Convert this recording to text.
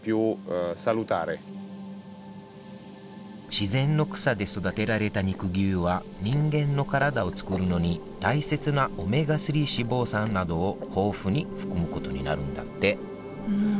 自然の草で育てられた肉牛は人間の体をつくるのに大切なオメガ３脂肪酸などを豊富に含むことになるんだってうん！